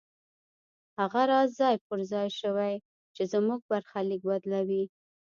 هغه راز ځای پر ځای شوی چې زموږ برخليک بدلوي.